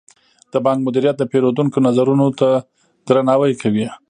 د بانک مدیریت د پیرودونکو نظرونو ته درناوی کوي.